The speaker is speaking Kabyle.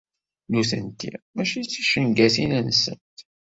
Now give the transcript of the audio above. Nutenti mačči d ticengatin-nsent.